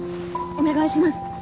お願いします。